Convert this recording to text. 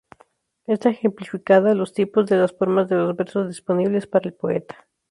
Ésta ejemplifica los tipos de las formas de los versos disponibles para el poeta.